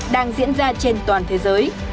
đang diễn ra trên toàn thế giới